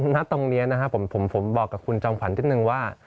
ณตรงนี้นะครับผมบอกกับคุณจอมขวัญนิดนึงว่า